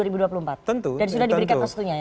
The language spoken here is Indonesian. dan sudah diberikan restunya ya